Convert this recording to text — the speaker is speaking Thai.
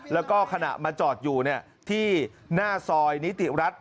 แล้วก็ขณะมาจอดอยู่ที่หน้าซอยนิติรัฐ